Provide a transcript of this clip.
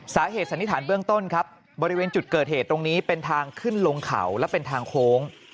สันนิษฐานเบื้องต้นครับบริเวณจุดเกิดเหตุตรงนี้เป็นทางขึ้นลงเขาและเป็นทางโค้ง